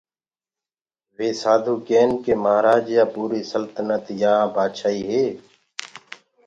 ۔ وي سآڌوٚ ڪين ڪي مهآرآج يآ پوٚريٚ سلتنت يآ بآڇآئيٚ هي